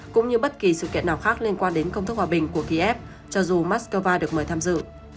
cũng như bất kỳ sự kiện nào khác liên quan đến công thức hòa bình của kiev cho dù moscow được mời tham dự